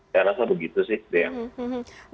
saya rasa begitu sih